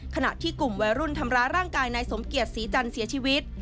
ขณะที่กลุ่มวัยรุ่นทำร้ายร่างกายนายสมเกียจศรีจันทร์เสียชีวิต